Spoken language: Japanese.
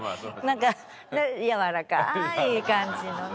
なんかやわらかい感じのね。